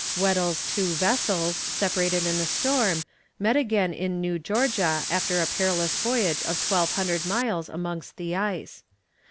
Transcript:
Weddell's two vessels, separated in a storm, met again in New Georgia after a perilous voyage of 1200 miles amongst the ice.